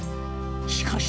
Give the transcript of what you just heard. しかし。